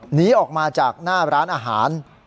หนีออกมาจากหน้าร้านอาหาร